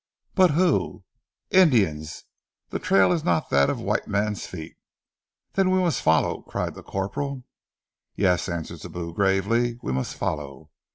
"But who " "Indians! The trail is not that of white men's feet." "Then we must follow," cried the corporal. "Yes," answered Sibou gravely. "We must follow.